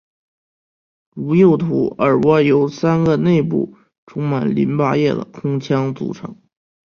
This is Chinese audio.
如右图耳蜗由三个内部充满淋巴液的空腔组成。